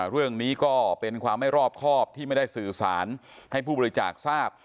เรื่องนี้ก็เป็นความไม่รอบครอบที่ไม่ได้สื่อสารให้ผู้บริจาคทราบ